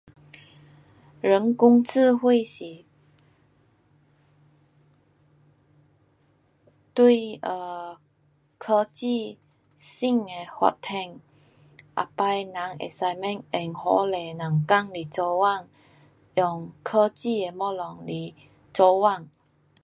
人工智慧是对 um 科技新的发展，以后人可以甭用那么多的人工来做工，以后。